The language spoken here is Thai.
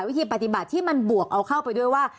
วิธีปฏิบัติที่มันบวกเอาเข้าไปด้วยว่า